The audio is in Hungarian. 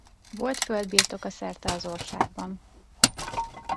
Volt földbirtoka szerte az országban.